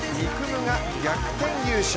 夢が逆転優勝。